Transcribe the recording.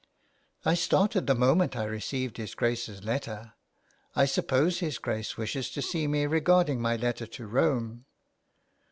'^" I started the moment I received his Grace's letter. I suppose his Grace wishes to see me regarding my letter to Rome."